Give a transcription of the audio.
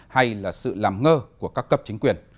hay là sự làm ngơ của các cấp chính quyền